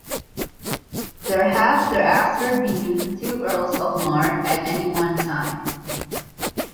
There have thereafter been two earls of Mar at any one time.